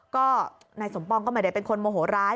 ก็นายสมปองก็ไม่ได้เป็นคนโมโหร้าย